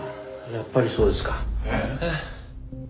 やっぱりそうですか。えっ？